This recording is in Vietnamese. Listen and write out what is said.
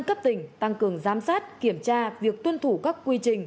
cấp tỉnh tăng cường giám sát kiểm tra việc tuân thủ các quy trình